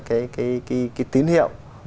cái tín hiệu